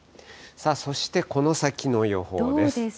そしてこの先の予報です。